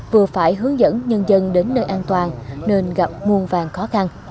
vừa phải hướng dẫn nhân dân đến nơi an toàn nên gặp muôn vàng khó khăn